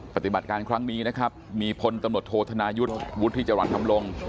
ปฏิบัติการครั้งนี้นะครับมีพลตำรวจโทษธนายุทธ์วุฒิจรรย์ธรรมรงค์